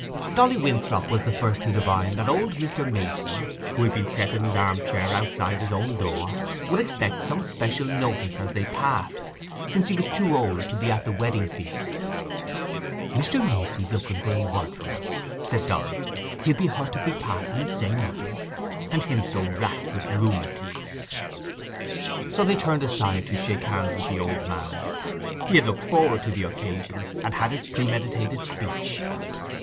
Dolly Winthrop was the first to divine that old Mr. Macey, who had been set in his arm chair outside his own door, would expect some special notice as they passed, since he was too old to be at the wedding feast. "Mr. Macey's looking for a word from us," said Dolly; "he'll be hurt if we pass him and say nothing—and him so racked with rheumatiz." So they turned aside to shake hands with the old man. He had looked forward to the occasion, and had his premeditated speech.